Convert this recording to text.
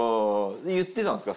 言ってたんですか？